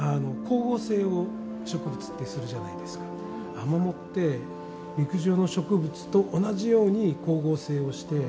アマモって陸上の植物と同じように光合成をして。